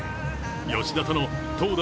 吉田との投打